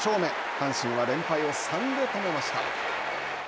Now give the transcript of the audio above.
阪神は連敗を３で止めました。